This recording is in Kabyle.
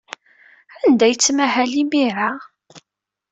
Anda ay yettmahal imir-a?